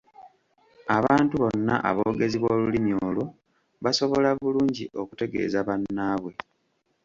Abantu bonna aboogezi b’olulimi olwo basobola bulungi okutegeeza bannaabwe.